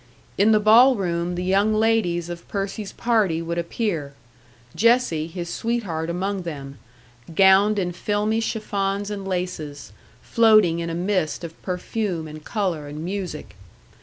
In the ball room the young ladies of Percy's party would appear Jessie, his sweetheart, among them gowned in filmy chiffons and laces, floating in a mist of perfume and colour and music.